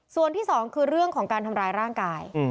ส่วนที่สองคือเรื่องของการทำร้ายร่างกาย